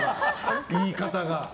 言い方が。